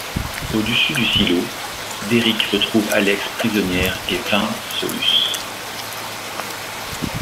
Au-dessus du Silo, Derrick retrouve Alex prisonnière et vainc Solus.